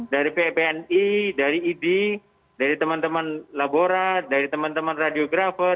dari ppni dari idi dari teman teman labora dari teman teman radiografer